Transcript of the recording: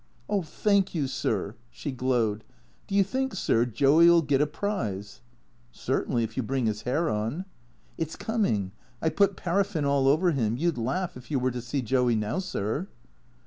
" Oh, thank you, sir." She glowed. " Do you think, sir, Joey '11 get a prize ?"" Certainly, if you bring his hair on." " It 's coming. I 've put paraffin all over him. You 'd laugh if you were to see Joey now, sir."